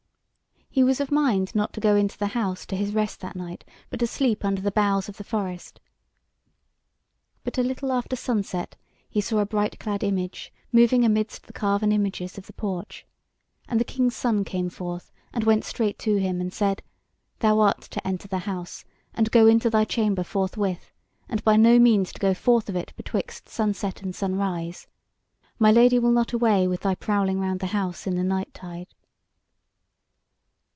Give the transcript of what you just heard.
He was of mind not to go into the house to his rest that night, but to sleep under the boughs of the forest. But a little after sunset he saw a bright clad image moving amidst the carven images of the porch, and the King's Son came forth and went straight to him, and said: "Thou art to enter the house, and go into thy chamber forthwith, and by no means to go forth of it betwixt sunset and sunrise. My Lady will not away with thy prowling round the house in the night tide."